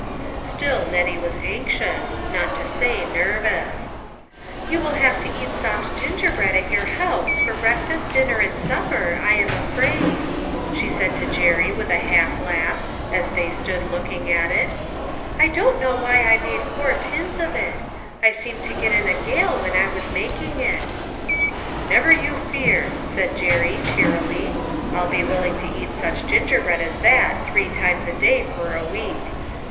Still Nettie was anxious, not to say nervous. "You will have to eat soft gingerbread at your house, for breakfast, dinner and supper, I am afraid," she said to Jerry with a half laugh, as they stood looking at it. " I don't know why THE NEW ENTERPRISE. 379 I made four tins of it ; I seemed to get in a gale when I was making it." "Never you fear," said Jerry, cheerily. "I'll be willing to eat such gingerbread as that three times a day for a week.